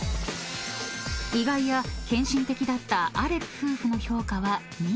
［意外や献身的だったアレク夫婦の評価は２］